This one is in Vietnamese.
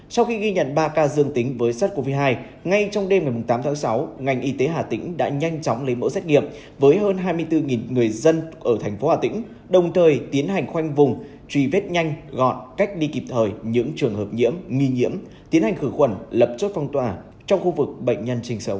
sau khi ghi nhận ba ca dương tính với sars cov hai ngay trong đêm ngày tám tháng sáu ngành y tế hà tĩnh đã nhanh chóng lấy mẫu xét nghiệm với hơn hai mươi bốn người dân ở thành phố hà tĩnh đồng thời tiến hành khoanh vùng truy vết nhanh gọn cách ly kịp thời những trường hợp nhiễm nghi nhiễm tiến hành khử khuẩn lập chốt phong tỏa trong khu vực bệnh nhân sinh sống